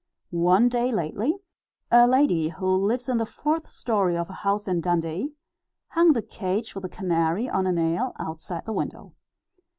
One day lately, a lady, who lives in the fourth story of a house in Dundee, hung the cage with the canary on a nail outside the window.